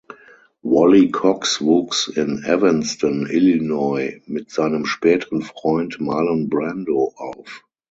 Wally Cox wuchs in Evanston, Illinois mit seinem späteren Freund Marlon Brando auf.